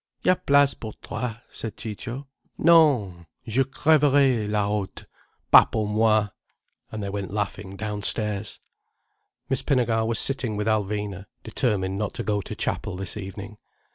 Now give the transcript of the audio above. "Y'a place pour trois," said Ciccio. "Non, je crêverais, là haut. Pas pour moi!" And they went laughing downstairs. Miss Pinnegar was sitting with Alvina, determined not to go to Chapel this evening.